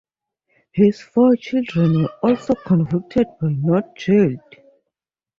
His four children were also convicted, but not jailed.